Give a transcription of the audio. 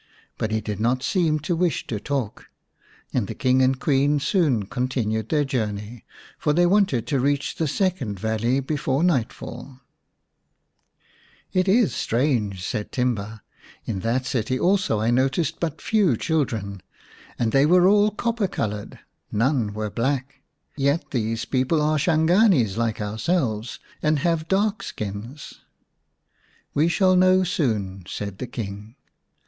But he did not seem to wish to talk, and the King and Queen soon continued their journey, for they wanted to reach the second valley before nightfall. 102 ix The Serpent's Bride "It is strange," said Timba. " In that city also I noticed but few children, and they were all copper coloured, none were black. Yet these people are Shanganis like ourselves, and have dark skins." " We shall know soon," said the King.